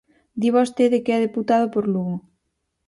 Di vostede que é deputado por Lugo.